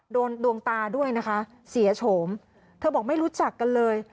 ดวงตาด้วยนะคะเสียโฉมเธอบอกไม่รู้จักกันเลย